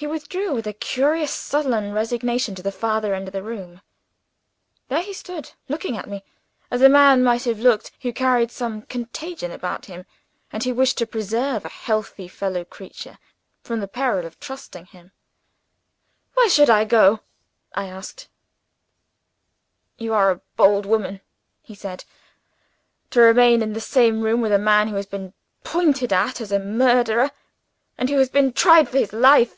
He withdrew with a curious sullen resignation to the farther end of the room. There he stood looking at me, as a man might have looked who carried some contagion about him, and who wished to preserve a healthy fellow creature from the peril of touching him. "Why should I go?" I asked. "You are a bold woman," he said, "to remain in the same room with a man who has been pointed at as a murderer, and who has been tried for his life."